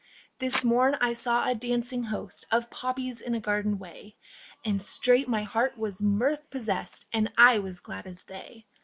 This morn I saw a dancing host Of poppies in a garden way, And straight my heart was mirth possessed And I was glad as they.